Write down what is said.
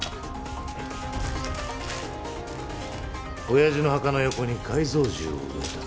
親父の墓の横に改造銃を埋めた。